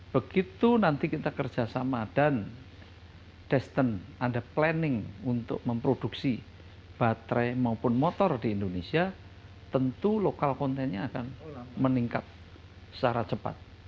begitu nanti kita kerjasama dan desten ada planning untuk memproduksi baterai maupun motor di indonesia tentu lokal kontennya akan meningkat secara cepat